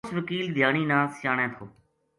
اُس وکیل دھیانی نا سیانے تھو